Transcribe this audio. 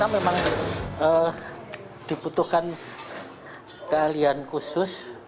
ternyata memang diputuhkan keahlian khusus